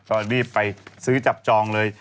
ก็รีบไปซื้อจับจองเลย